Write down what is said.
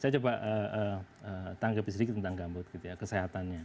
saya coba tanggapi sedikit tentang gambut gitu ya kesehatannya